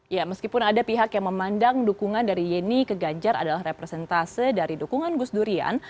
ya meskipun ada pihak yang memandang dukungan dari yeni ke ganjar adalah representase dari dukungan gus durian